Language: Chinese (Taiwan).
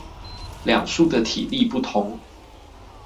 兩書的體例不同